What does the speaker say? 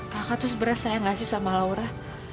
kakak tuh sebenernya sayang gak sih sama laura